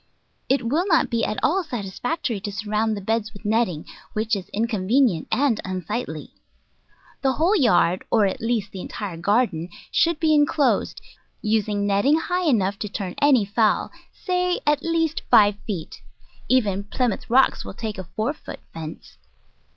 It will not be at all satisfactory to surround the beds with netting, which is incon venient and unsightly. The whole yard, or at least the entire garden, should be inclosed, using netting Digitized by Google 252 The Flower Garden high enough to turn any fowl, say at least five feet; even Plymouth Rocks will take a four foot fence.